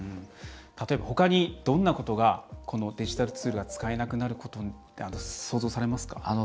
例えばほかにどんなことがこのデジタルツールが使えなくなることで想像されますか？